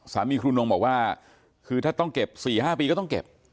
ครูนงบอกว่าคือถ้าต้องเก็บ๔๕ปีก็ต้องเก็บ